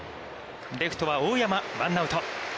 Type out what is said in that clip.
レフトは大山、ワンアウト。